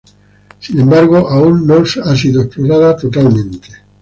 Sin embargo aún no ha sido explorada totalmente.